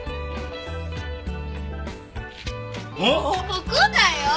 ここだよ。